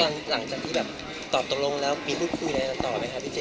ตอนหลังจากที่แบบตอบตรงลงแล้วก็มีพูดคุยได้ต่อไปครับพี่เจน